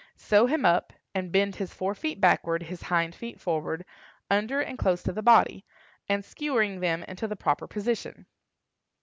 Sew him up, and bend his fore feet backward, his hind feet forward, under and close to the body, and skewering them into the proper position.